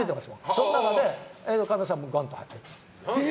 その中に神田さんもボンと入ってます。